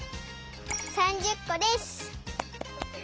３０こです！